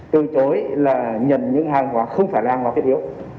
từ chối là nhận những hàng hóa không phải là mặt hàng thiết yếu